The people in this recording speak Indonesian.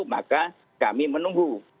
maka kami menunggu